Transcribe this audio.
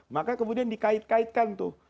maka kemudian dikait kaitkan tuh